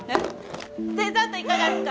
デザートいかがですか？